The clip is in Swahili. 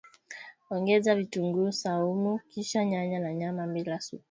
Ongeza vitunguu swaumu kisha nyanya na nyama bila supu